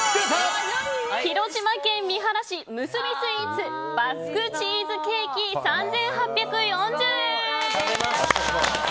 広島県三原市、むすびスイーツバスクチーズケーキ、３８４０円。